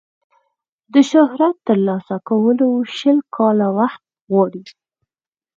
د شهرت ترلاسه کول شل کاله وخت غواړي.